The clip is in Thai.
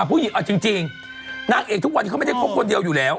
ผู้หญิงเอาจริงนางเอกทุกวันนี้เขาไม่ได้คบคนเดียวอยู่แล้ว